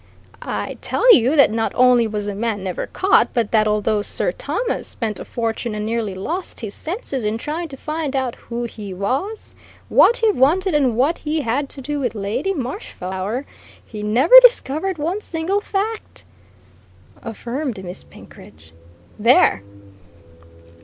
"I tell you that not only was the man never caught, but that although Sir Thomas spent a fortune and nearly lost his senses in trying to find out who he was, what he wanted and what he had to do with Lady Marshflower, he never discovered one single fact!" affirmed Miss Penkridge. "There!"